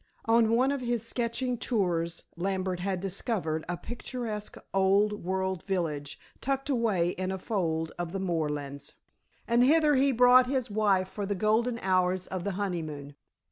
On one of his sketching tours Lambert had discovered a picturesque old world village, tucked away in a fold of the moorlands, and hither he brought his wife for the golden hours of the honeymoon.